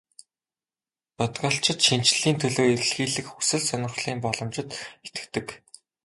Бодгальчид шинэчлэлийн төлөө эрэлхийлэх хүсэл сонирхлын боломжид итгэдэг.